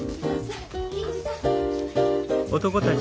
銀次さん。